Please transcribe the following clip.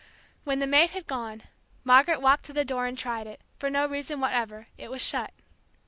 When the maid had gone Margaret walked to the door and tried it, for no reason whatever; it was shut.